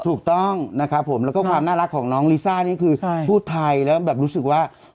ถูกต้องนะครับผมแล้วก็ความน่ารักของน้องลิซ่านี่คือพูดไทยแล้วแบบรู้สึกว่า